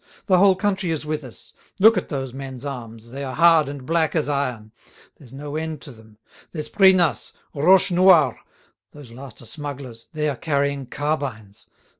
The whole country is with us. Look at those men's arms, they are hard and black as iron. There's no end to them. There's Pruinas! Roches Noires! Those last are smugglers: they are carrying carbines.